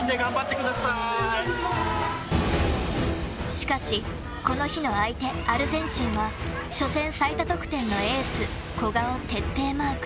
しかしこの日の相手アルゼンチンは初戦最多得点のエース古賀を徹底マーク。